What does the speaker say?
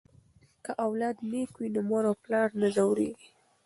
که اولاد نیک وي نو مور او پلار نه ځورېږي.